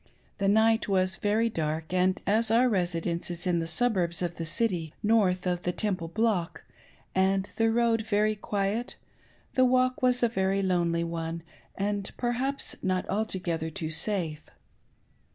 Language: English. The night was very dark, and as our residence is in the suburbs of the City, north of the Temple block, and the road very quiet, the walk was a very lonely one and per haps not altogether too safe.